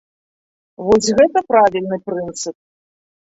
Вось гэта правільны прынцып.